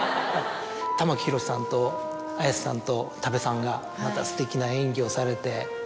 玉木宏さんと綾瀬さんと多部さんがまたすてきな演技をされて。